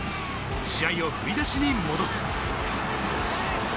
試合を振り出しに戻す。